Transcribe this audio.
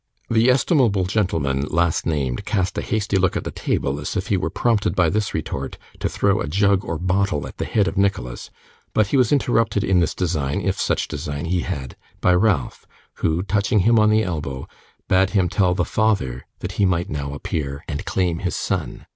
The estimable gentleman last named cast a hasty look at the table, as if he were prompted by this retort to throw a jug or bottle at the head of Nicholas, but he was interrupted in this design (if such design he had) by Ralph, who, touching him on the elbow, bade him tell the father that he might now appear and claim his son.